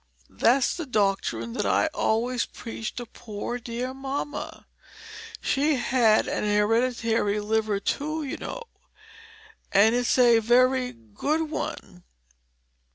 That's the doctrine that I always preached to poor dear mamma she had an hereditary liver too, you know and it's a very good one.